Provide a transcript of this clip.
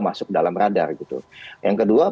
masuk dalam radar gitu yang kedua